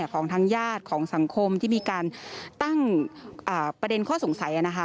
ของทางญาติของสังคมที่มีการตั้งประเด็นข้อสงสัยนะคะ